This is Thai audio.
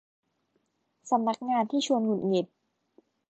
สำนักงานที่ชวนหงุดหงิด